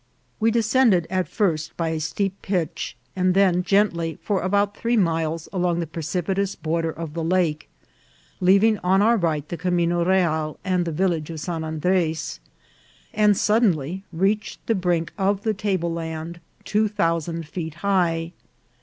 We descended at first by a steep pitch, and then gently for about three miles along the precipitous border of the lake, leaving on our right the camino real and the village of San Andres, and suddenly reached the brink of the table land, two thousand feet high.